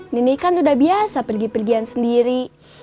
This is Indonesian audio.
nini kan udah biasa pergi pergian sendiri